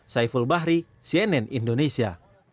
saiful bahri cnn indonesia